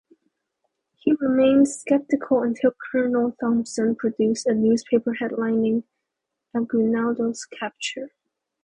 He remained skeptical until Colonel Thompson produced a newspaper headlining Aguinaldos capture.